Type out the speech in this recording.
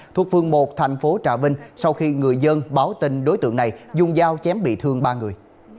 thuộc phương một thành phố trà vinh sau khi người dân báo tin đối tượng này dùng dao chém bị thương ba người